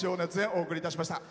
お送りしました。